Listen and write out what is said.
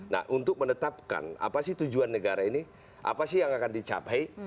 nah untuk menetapkan apa sih tujuan negara ini apa sih yang akan dicapai